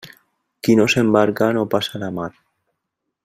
Qui no s'embarca no passa la mar.